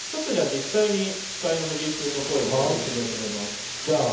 実際に司会のフジイ君の声を調整してみようと思います。